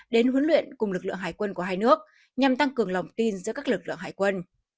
đến huấn luyện cùng lực lượng hải quân của hai nước nhằm tăng cường lòng tin giữa các lực lượng hải quân